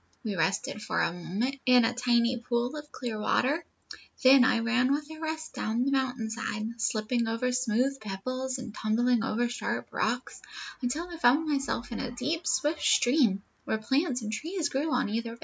"We rested for a moment in a tiny pool of clear water; then I ran with the rest down the mountain side, slipping over smooth pebbles, and tumbling over sharp rocks, until I found myself in a deep, swift stream, where plants and trees grew on either bank."